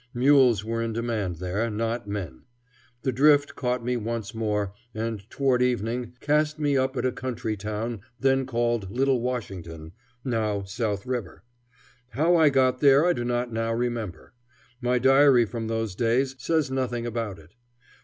Mules were in demand there, not men. The drift caught me once more, and toward evening cast me up at a country town then called Little Washington, now South River. How I got there I do not now remember. My diary from those days says nothing about it.